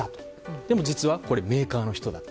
でも実は、メーカーの人だった。